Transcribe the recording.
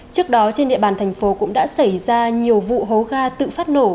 trước đó trên địa bàn thành phố cũng đã xảy ra nhiều vụ hố ga tự phát nổ